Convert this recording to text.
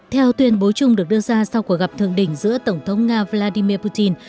theo tuyên bố chung được đưa ra sau cuộc gặp thượng đỉnh giữa tổng thống nga vladimir putin